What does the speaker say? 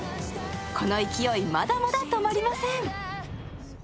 この勢い、まだまだ止まりません。